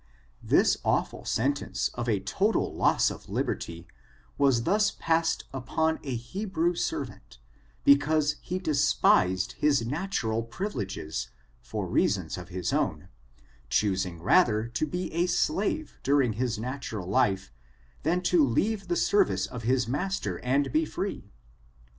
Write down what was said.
This awful sentence of a total loss of liberty was thus passed up on a Hebrew servant, because he despised his natu ral privileges, for reasons of his own — choosing rather to be a slave during his natural life, than to leave the service of his master and be free